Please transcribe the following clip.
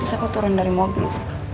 aku turun dari mobil